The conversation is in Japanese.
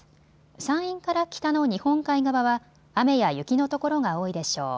山陰から北の日本海側は雨や雪の所が多いでしょう。